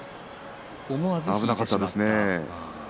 危なかったですね。